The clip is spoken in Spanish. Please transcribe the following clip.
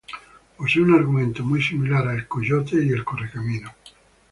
Posee un argumento muy similar a El Coyote y el Correcaminos.